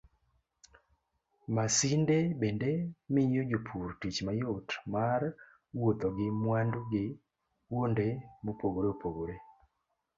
Masinde bende miyo jopur tich mayot mar wuotho gi mwandu gi kuonde mopogore opogore.